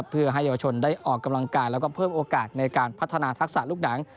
เพื่อให้เยาวชนได้ออกกำลังกายแล้วก็เพิ่มโอกาสในการพัฒนาทักษะลูกหนัง